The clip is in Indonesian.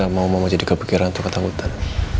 saya nggak mau mama jadi kepikiran atau ketakutan